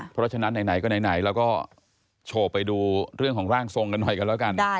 เพราะฉะนั้นไหนก็ไหนเราก็โชว์ไปดูเรื่องของร่างทรงกันหน่อยกันแล้วกัน